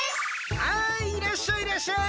はいいらっしゃいいらっしゃい！